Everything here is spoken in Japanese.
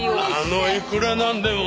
あのいくらなんでも。